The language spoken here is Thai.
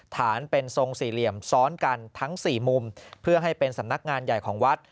ฐานเป็นทรงสี่เหลี่ยมซ้อนกันทั้งสี่มุมเพื่อให้เป็นสำนักงานใหญ่ของวัด